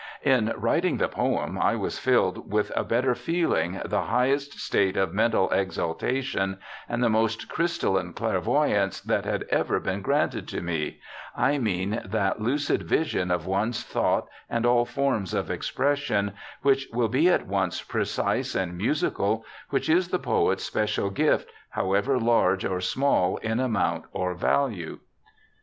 * In writing the poem I was filled with a better feeling, the highest state of mental exaltation and the most crystalline clair voyance that had ever been granted to me— I mean that lucid vision of one's thought and all forms of expression which will be at once precise and musical, which is the poet's special gift, however large or small in amount or value.'